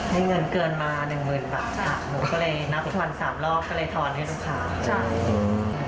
ให้เงินเกินมา๑๐๐๐๐บาทค่ะก็เลยนับควัน๓รอบก็เลยทอนให้ลูกค้าค่ะ